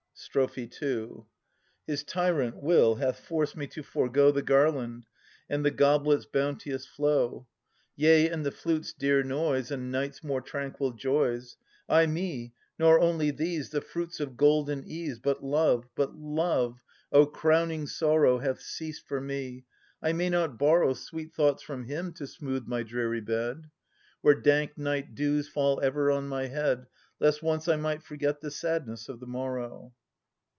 Strophe II. His tyrant will hath forced me to forgo The garland, and the goblefs bounteous flow. Yea, and the flute's dear noise, And night's mare tranquil joys ; Ay me! nor only these, The fruits of golden ease. But Love, but Love — O crowning sorrow I — Hath ceased for me. I may not borrow Sweet thoughts from him to smooth my dreary bed. Where dank night dews fall ever on my head. Lest once I might forget the sadness of the morrow.